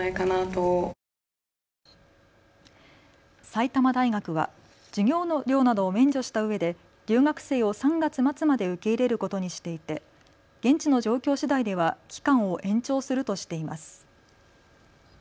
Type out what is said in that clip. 埼玉大学は授業料などを免除したうえで留学生を３月末まで受け入れることにしていて現地の状況しだいでは期間を延長するとしています。